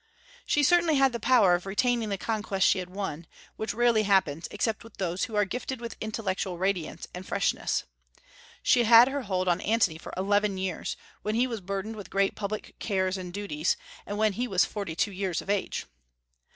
She certainly had the power of retaining the conquests she had won, which rarely happens except with those who are gifted with intellectual radiance and freshness. She held her hold on Antony for eleven years, when he was burdened with great public cares and duties, and when he was forty two years of age.